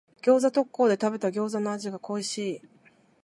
餃子特講で食べた餃子の味が恋しい。